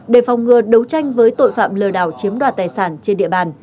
để phòng ngừa đấu tranh với tội phạm lừa đảo chiếm đoạt tài sản trên địa bàn